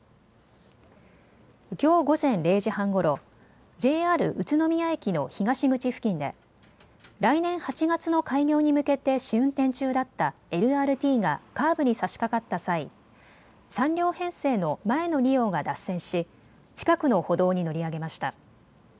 きょう午前０時半ごろ、ＪＲ宇都宮駅の東口付近で来年８月の開業に向けて試運転中だったＬＲＴがカーブにさしかかった際、３両編成の前の２両が脱線し近くの歩道に乗り上げました。